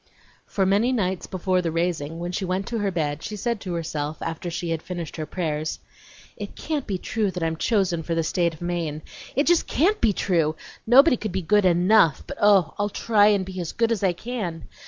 For many nights before the raising, when she went to her bed she said to herself, after she had finished her prayers: "It can't be true that I'm chosen for the State of Maine! It just CAN'T be true! Nobody could be good ENOUGH, but oh, I'll try to be as good as I can!